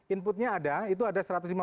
inputnya ada itu ada satu ratus lima puluh